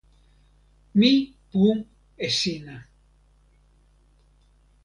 mi pu e sina!